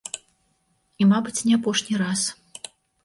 І мабыць, не апошні раз.